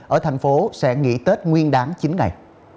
ở thành phố sẽ nghỉ tết nguyên đáng chín ngày